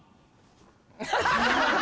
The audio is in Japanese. ・ハハハハ！